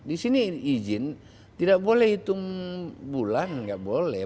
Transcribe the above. di sini izin tidak boleh hitung bulan nggak boleh